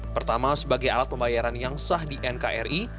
pertama sebagai alat pembayaran yang sah di nkri